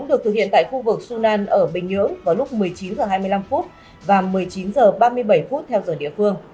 được thực hiện tại khu vực sunan ở bình nhưỡng vào lúc một mươi chín h hai mươi năm và một mươi chín h ba mươi bảy theo giờ địa phương